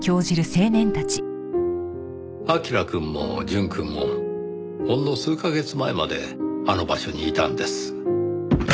彬くんも淳くんもほんの数カ月前まであの場所にいたんです。